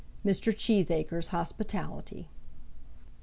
Mr. Cheesacre's Hospitality.